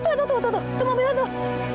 itu itu itu itu mobilnya tuh